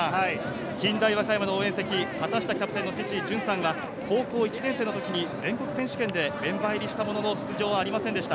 近大和歌山の応援席、畑下キャプテンの父・じゅんさんが高校１年生の時に全国選手権でメンバー入りしたものの出場はありませんでした。